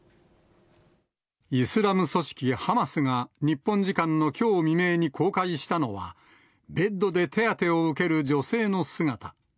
イスラム組織ハマスが日本時間のきょう未明に公開したのは、ベッドで手当てを受ける女性の姿。